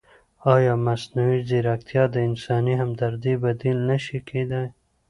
ایا مصنوعي ځیرکتیا د انساني همدردۍ بدیل نه شي کېدای؟